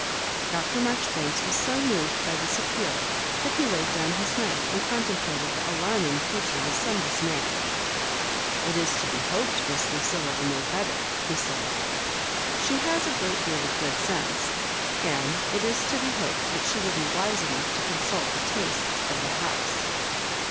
Dr. Maijoribanks was so moved by this appeal that he laid down his knife and contemplated the alarming future with some dismay. " It is to be hoped Miss Lucilla will know better," he said. *' She has a great deal of good sense, and it is to be hoped that she will be wise enough to consult the tastes of the house."